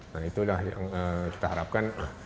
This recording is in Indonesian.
nah itulah yang kita harapkan